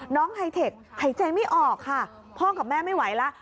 ไฮเทคหายใจไม่ออกค่ะพ่อกับแม่ไม่ไหวแล้ว